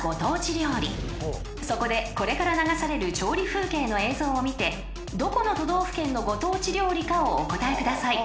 ［そこでこれから流される調理風景の映像を見てどこの都道府県のご当地料理かをお答えください］